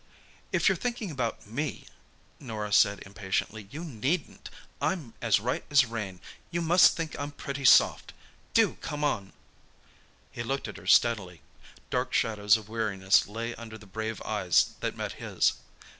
"If you're thinking about me," Norah said impatiently, "you needn't. I'm as right as rain. You must think I'm pretty soft! Do come on!" He looked at her steadily. Dark shadows of weariness lay under the brave eyes that met his.